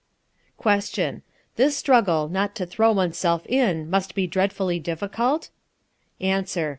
Question. This struggle not to throw oneself in must be dreadfully difficult? Answer.